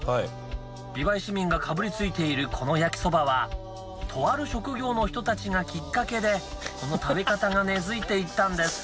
美唄市民がかぶりついているこの焼きそばはとある職業の人たちがきっかけでこの食べ方が根づいていったんです。